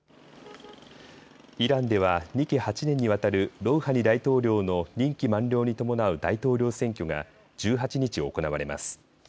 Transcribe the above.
イランでは２期８年にわたるロウハニ大統領の任期満了に伴う大統領選挙が１８日、行われます。